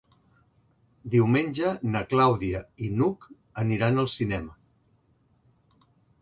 Diumenge na Clàudia i n'Hug aniran al cinema.